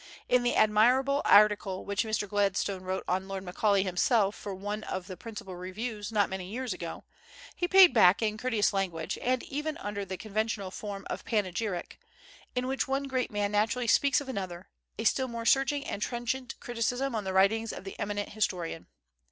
In the admirable article which Mr. Gladstone wrote on Lord Macaulay himself for one of the principal Reviews not many years ago, he paid back in courteous language, and even under the conventional form of panegyric, in which one great man naturally speaks of another, a still more searching and trenchant criticism on the writings of the eminent historian.